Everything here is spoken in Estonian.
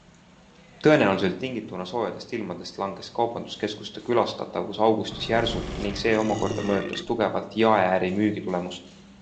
Tõenäoliselt tingituna soojadest ilmadest langes kaubanduskeskuste külastatavus augustis järsult ning see omakorda mõjutas tugevalt jaeäri müügitulemust.